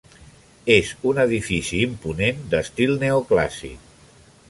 És un edifici imponent d'estil neoclàssic.